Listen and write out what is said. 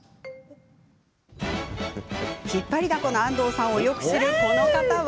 引っ張りだこの安藤さんをよく知る、この方は？